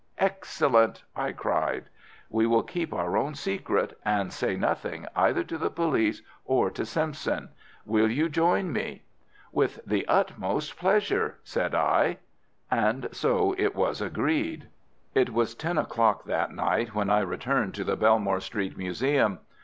"Excellent!" I cried. "We will keep our own secret, and say nothing either to the police or to Simpson. Will you join me?" "With the utmost pleasure," said I; and so it was agreed. It was ten o'clock that night when I returned to the Belmore Street Museum.